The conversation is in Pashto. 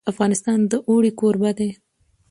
افغانستان د اوړي کوربه دی.